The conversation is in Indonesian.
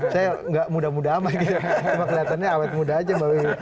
saya nggak muda muda sama gitu emang kelihatannya awet muda aja mbak wiwi